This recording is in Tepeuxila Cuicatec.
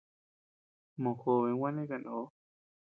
Mojoben gua neʼe kanó.